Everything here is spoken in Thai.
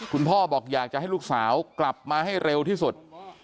พ่อบอกอยากจะให้ลูกสาวกลับมาให้เร็วที่สุด